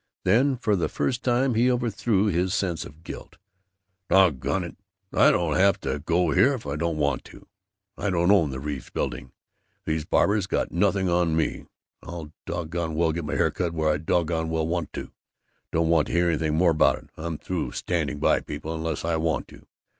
Then, for the first time, he overthrew his sense of guilt. "Doggone it, I don't have to go here if I don't want to! I don't own the Reeves Building! These barbers got nothing on me! I'll doggone well get my hair cut where I doggone well want to! Don't want to hear anything more about it! I'm through standing by people unless I want to.